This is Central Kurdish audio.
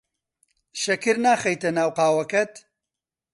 شەکر ناخەیتە ناو قاوەکەت.